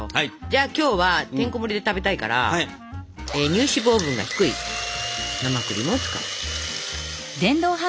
じゃあ今日はてんこもりで食べたいから乳脂肪分が低い生クリームを使います。